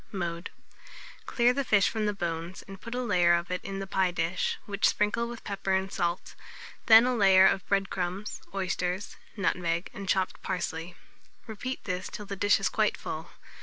Mode. Clear the fish from the bones, and put a layer of it in a pie dish, which sprinkle with pepper and salt; then a layer of bread crumbs, oysters, nutmeg, and chopped parsley. Repeat this till the dish is quite full.